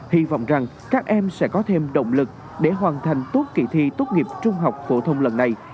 hy vọng rằng các em sẽ có thêm động lực để hoàn thành tốt kỳ thi tốt nghiệp trung học phổ thông lần này